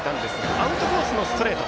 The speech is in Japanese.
アウトコースのストレート